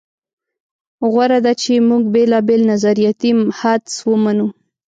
غوره ده چې موږ بېلابېل نظریاتي حدس ومنو.